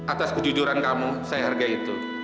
atas kejujuran kamu saya hargai itu